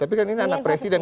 tapi kan ini anak presiden